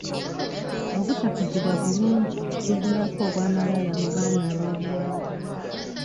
Obutakuzibwa bulungi kiviirako obwa malaaya mu baana ab'obuwala.